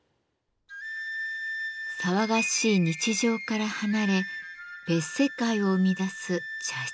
騒がしい日常から離れ別世界を生み出す茶室の窓。